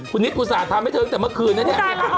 คุณฮิตกุศาสตร์ทำให้เธอกันจากเมื่อคืนนะเนี่ย